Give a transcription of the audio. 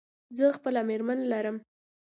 زه خپله مېرمن لرم.